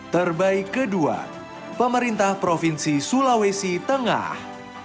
terbaik kedua pemerintah provinsi sulawesi tengah